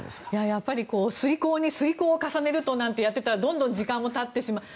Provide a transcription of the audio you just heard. やっぱり推敲に推敲を重ねるとってやってたらどんどん時間も経ってしまう。